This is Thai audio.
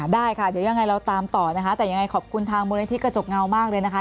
ได้ค่ะเดี๋ยวยังไงเราตามต่อนะคะแต่ยังไงขอบคุณทางมูลนิธิกระจกเงามากเลยนะคะ